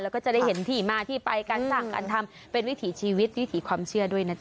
แล้วก็จะได้เห็นที่มาที่ไปการสร้างการทำเป็นวิถีชีวิตวิถีความเชื่อด้วยนะจ